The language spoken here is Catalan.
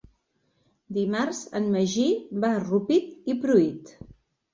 Dimarts en Magí va a Rupit i Pruit.